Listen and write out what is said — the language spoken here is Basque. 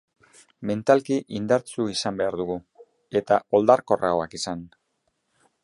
Mentalki indartsu izan behar dugu, eta oldarkorragoak izan.